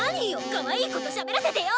かわいい子としゃべらせてよ！